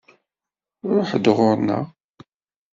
Ṛuḥ-d ɣuṛ-nneɣ!